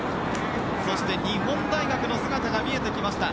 そして日本大学の姿が見えてきました。